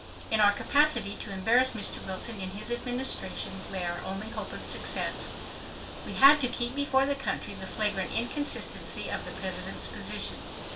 In our capacity to embarrass Mr. Wilson in his Administration, lay our only hope of success. We had to keep before the country the flagrant inconsistency of the President's position.